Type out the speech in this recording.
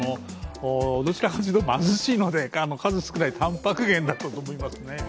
どっちかというと、貧しいので数少ないたんぱく源だったと思いますね。